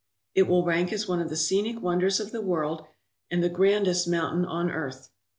It will rank as one of the scenic wonders of the world and the grandest mountain on earth.